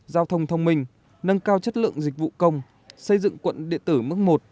giao thông thông minh nâng cao chất lượng dịch vụ công xây dựng quận điện tử mức một